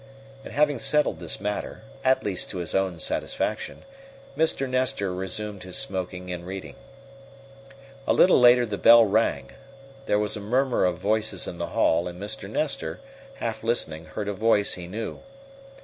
And having settled this matter, at least to his own satisfaction, Mr. Nestor resumed his smoking and reading. A little later the bell rang. There was a murmur of voices in the hall, and Mr. Nestor, half listening, heard a voice he knew.